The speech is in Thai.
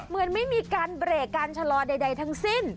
เหมือนไม่มีการเบรกการชะลอใดทั้งสิ้น